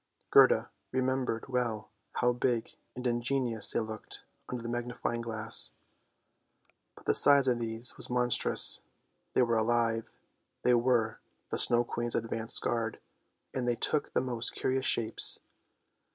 Gerda remembered well how big and ingenious they looked under the magnifying glass. But the size of these was monstrous, they were alive, they were the Snow Queen's advanced guard, and they took the most curious shapes.